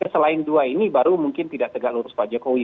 selain dua ini baru mungkin tidak tegak lurus pak jokowi